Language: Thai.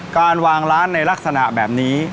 การวางร้านในลักษณะแบบนี้